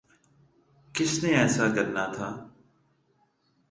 کس نے ایسا کرنا تھا؟